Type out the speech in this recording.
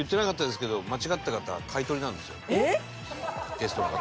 ゲストの方。